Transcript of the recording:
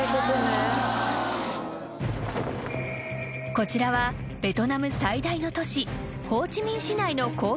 ［こちらはベトナム最大の都市］